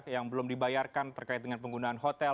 yang belum dibayarkan terkait dengan penggunaan hotel